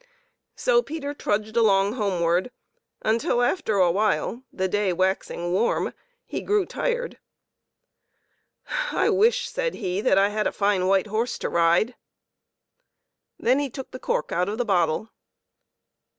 So Peter trudged along homeward, until, after a while, the day waxing warm, he grew tired. " I wish," said he, " that I had a fine white horse to ride." Then he took the cork out of the bottle.